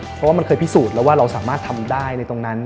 เพราะว่ามันเคยพิสูจน์แล้วว่าเราสามารถทำได้ในตรงนั้น